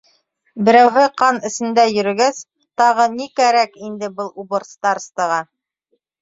Берәүһе ҡан эсендә йөрөгәс, тағы ни кәрәк инде был убыр старостаға.